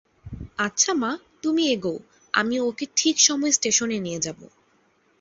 আচ্ছা মা, তুমি এগোও, আমি ওকে ঠিক সময়ে স্টেশনে নিয়ে যাব।